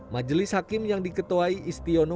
majelis hakim yang diketuai istiono